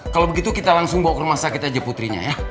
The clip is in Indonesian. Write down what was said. kalau begitu kita langsung bawa ke rumah sakit aja putrinya ya